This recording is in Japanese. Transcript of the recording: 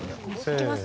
行きます。